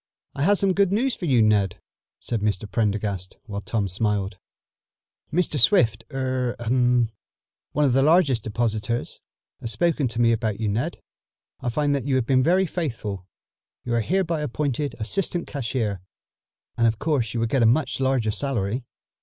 "I have some good news for you, Ned," said Mr. Prendergast, while Tom smiled. "Mr. Swift er ahem one of our largest depositors, has spoken to me about you, Ned. I find that you have been very faithful. You are hereby appointed assistant cashier, and of course you will get a much larger salary."